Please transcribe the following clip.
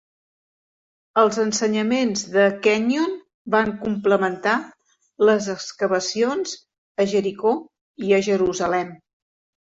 Els ensenyaments de Kenyon van complementar les excavacions a Jericho i a Jerusalem.